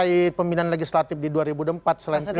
pilihan pemilihan legislatif di dua ribu empat selain pripres